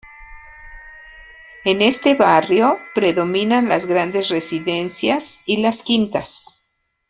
En este barrio predominan las grandes residencias y las quintas.